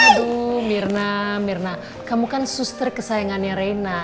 aduh mirna mirna kamu kan suster kesayangannya reina